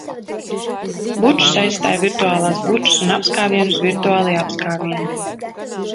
Bučas aizstāj virtuālās bučas un apskāvienus - virtuālie apskāvieni.